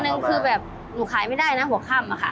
วันนึงคือแบบหนูขายไม่ได้นะหัวข้ามอะค่ะ